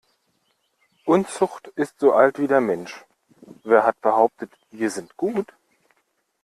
Unzucht ist so alt wie der Mensch - wer hat behauptet wir sind gut?